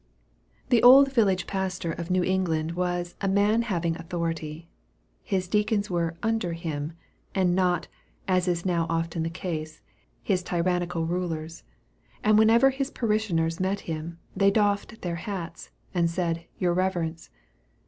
The old village pastor of New England was "a man having authority." His deacons were under him, and not, as is now often the case, his tyrannical rulers; and whenever his parishioners met him, they doffed their hats, and said "Your Reverence."